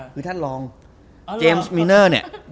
คือท่านรองเจมส์มิเนอร์เนี่ย